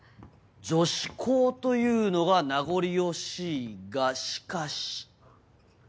女子校というのが名残惜しいがしかし。